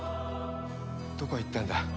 どこへ行ったんだ？